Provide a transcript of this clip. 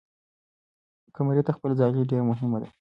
قمري ته خپله ځالۍ ډېره مهمه ده.